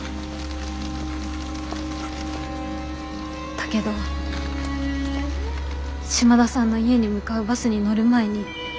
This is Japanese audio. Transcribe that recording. だけど島田さんの家に向かうバスに乗る前に。